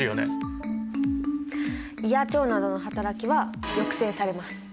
胃や腸などのはたらきは抑制されます。